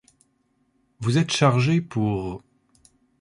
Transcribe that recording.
Vous êtes chargé pour...